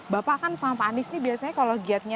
bapak kan sama pak anies ini biasanya kalau giatnya